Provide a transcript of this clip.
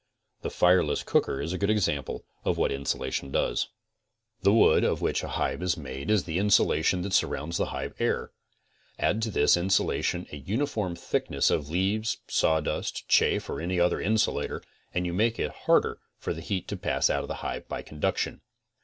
The fireless cooker is a good example of what insulation does. The wood of which a hive is made is the insulation that sur rounds the hive air. Add to this insulation a uniform thickness of leaves, sawdust, chaff or any other insulator and you make it harder for the heat to pass out of the hive by conduction.